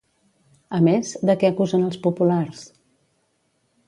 A més, de què acusen els populars?